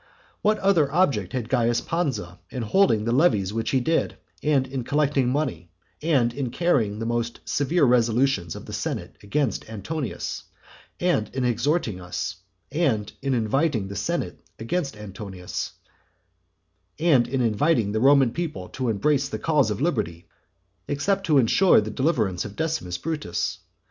What other object had Caius Pansa in holding the levies which he did, and in collecting money, and in carrying the most severe resolutions of the senate against Antonius, and in exhorting us, and in inviting the Roman people to embrace the cause of liberty, except to ensure the deliverance of Decimus Brutus?